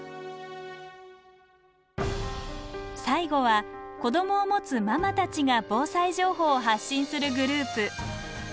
最後は子どもをもつママたちが防災情報を発信するグループ。